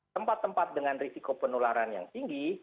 tempat tempat dengan risiko penularan yang tinggi